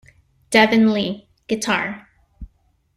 Devin Lee, guitar.